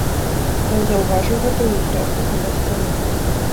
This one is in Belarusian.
Ён заўважыў гэта ў люстэрку каля сцяны.